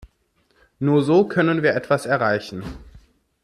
Nur so können wir etwas erreichen.